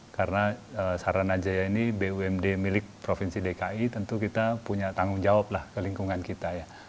karena saranajaya ini bumd milik provinsi dki tentu kita punya tanggung jawab lah ke lingkungan kita ya